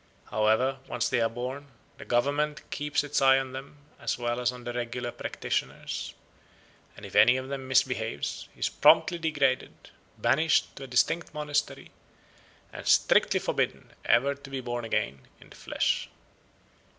However, once they are born, the government keeps its eye on them as well as on the regular practitioners, and if any of them misbehaves he is promptly degraded, banished to a distant monastery, and strictly forbidden ever to be born again in the flesh.